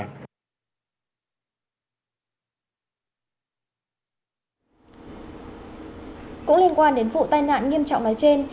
cũng liên quan đến vụ tai nạn nghiêm trọng nói trên